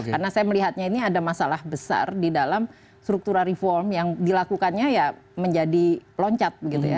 karena saya melihatnya ini ada masalah besar di dalam struktura reform yang dilakukannya menjadi loncat